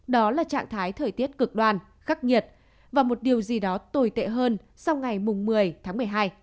đó là trạng thái thời tiết cực đoan khắc nghiệt và một điều gì đó tồi tệ hơn sau ngày một mươi tháng một mươi hai